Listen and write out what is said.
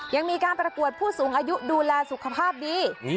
ยังมีการประกวดผู้สูงอายุดูแลสุขภาพดี